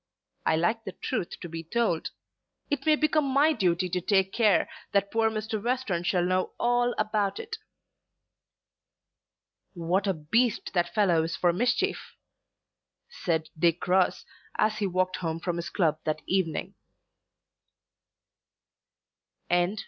"I like the truth to be told. It may become my duty to take care that poor Mr. Western shall know all about it." "What a beast that fellow is for mischief!" said Dick Ross as he walked home from his club that evening. CHAPTER VII.